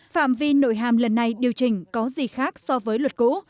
phạm vi nội hàm lần này điều chỉnh có gì khác so với luật cũ